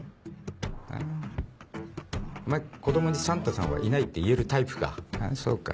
あぁお前子供に「サンタさんはいない」って言えるタイプかあぁそうか。